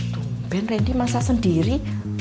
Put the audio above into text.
tumben ren di masa sendiri